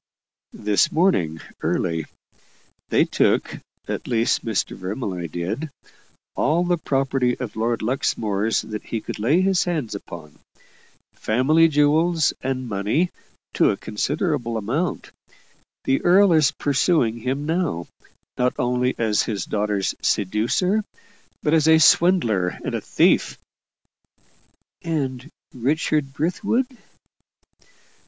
"This morning, early. They took at least, Mr. Vermilye did all the property of Lord Luxmore's that he could lay his hands upon family jewels and money to a considerable amount. The earl is pursuing him now, not only as his daughter's seducer, but as a swindler and a thief." "And Richard Brithwood?"